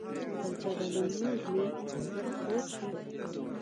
پر جبل النور مې زړه خوږ شو.